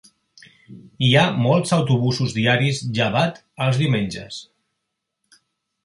Hi ha molts autobusos diaris llevat els diumenges.